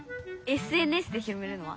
ＳＮＳで広めるのは？